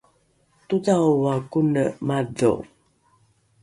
todhaoa kone madho!